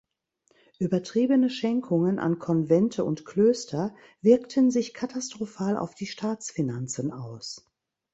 Übertriebene Schenkungen an Konvente und Klöster wirkten sich katastrophal auf die Staatsfinanzen aus.